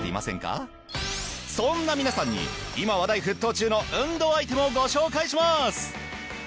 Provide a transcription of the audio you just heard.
そんな皆さんに今話題沸騰中の運動アイテムをご紹介します！